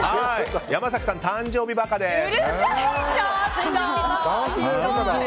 山崎さん、誕生日馬鹿です。